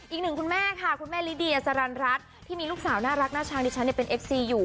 อีกหนึ่งคุณแม่ค่ะคุณแม่ลิเดียสรรรัฐที่มีลูกสาวน่ารักน่าช้างดิฉันเป็นเอฟซีอยู่